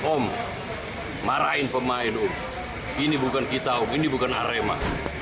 om marahin pemain om ini bukan kita om ini bukan arema